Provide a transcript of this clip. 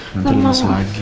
nanti masuk lagi